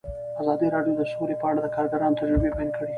ازادي راډیو د سوله په اړه د کارګرانو تجربې بیان کړي.